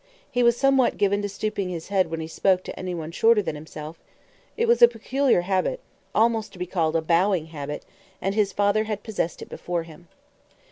He was somewhat given to stooping his head when he spoke to any one shorter than himself; it was a peculiar habit, almost to be called a bowing habit, and his father had possessed it before him.